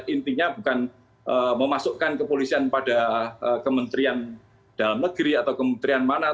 intinya bukan memasukkan kepolisian pada kementerian dalam negeri atau kementerian mana